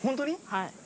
はい。